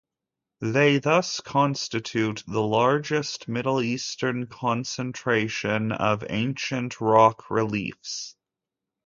They thus constitute the largest Middle Eastern concentration of ancient rock reliefs.